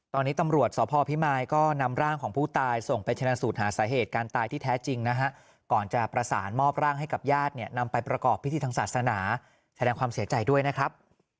ตอนนี้ตำรวจสพพิมายก็นำร่างของผู้ตายส่งไปชนะสูตรหาสาเหตุการตายที่แท้จริงนะฮะก่อนจะประสานมอบร่างให้กับญาติเนี่ยนำไปประกอบพิธีทางศาสนาแสดงความเสียใจด้วยนะครับ